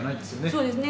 そうですね。